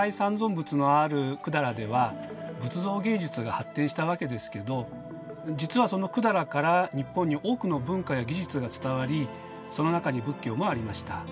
仏のある百済では仏像芸術が発展したわけですけど実はその百済から日本に多くの文化や技術が伝わりその中に仏教もありました。